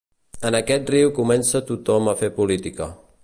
En aquest riu comença tothom a fer política.